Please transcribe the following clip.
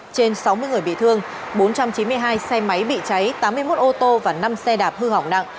trên sáu mươi người bị thương bốn trăm chín mươi hai xe máy bị cháy tám mươi một ô tô và năm xe đạp hư hỏng nặng